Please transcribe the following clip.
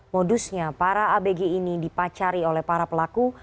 modusnya para abg ini dipacari oleh para pelaku